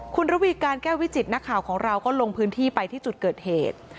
คุณระวีการแก้ววิจิตนักข่าวของเราก็ลงพื้นที่ไปที่จุดเกิดเหตุ